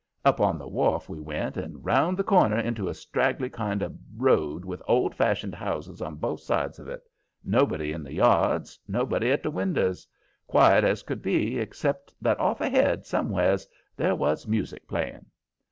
Up on the wharf we went and round the corner into a straggly kind of road with old fashioned houses on both sides of it. Nobody in the yards, nobody at the windows; quiet as could be, except that off ahead, somewheres, there was music playing.